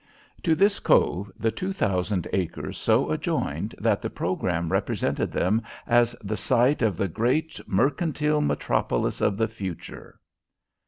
To this cove the two thousand acres so adjoined that the programme represented them as the site of the great "Mercantile Metropolis of the Future."